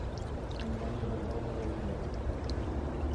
Antônia Barbosa de Oliveira